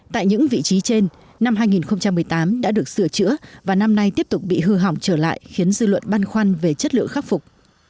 tại những vị trí trên năm hai nghìn một mươi tám đã được sửa chữa và năm nay tiếp tục bị hư hỏng trở lại khiến dư luận băn khoăn về chất lượng khắc phục